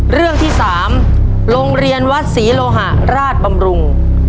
เรื่องที่๓โรงเรียนวัดศรีโลหะราชบำรุง